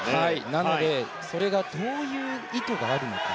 なのでそれがどういう意図があるのか。